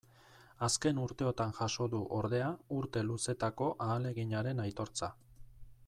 Azken urteotan jaso du, ordea, urte luzetako ahaleginaren aitortza.